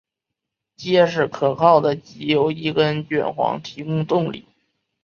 结实可靠的藉由一根卷簧提供动力。